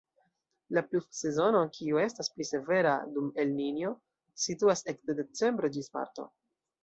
La pluvsezono, kiu estas pli severa dum El-Ninjo, situas ekde decembro ĝis marto.